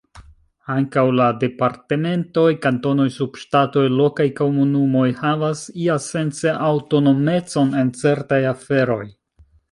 Ankaŭ la departementoj, kantonoj, subŝtatoj, lokaj komunumoj havas iasence aŭtonomecon en certaj aferoj.